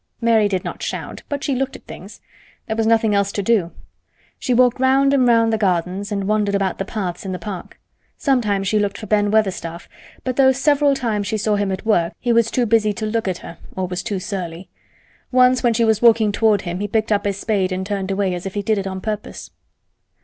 Mary did not shout, but she looked at things. There was nothing else to do. She walked round and round the gardens and wandered about the paths in the park. Sometimes she looked for Ben Weatherstaff, but though several times she saw him at work he was too busy to look at her or was too surly. Once when she was walking toward him he picked up his spade and turned away as if he did it on purpose.